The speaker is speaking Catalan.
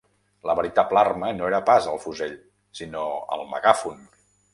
La veritable arma no era pas el fusell, sinó el megàfon